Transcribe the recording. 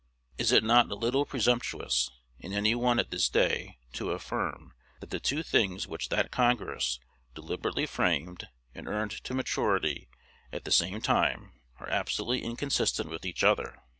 Is it not a little presumptuous in any one at this day to affirm that the two things which that Congress deliberately framed, and earned to maturity at the same time, are absolutely inconsistent with each other?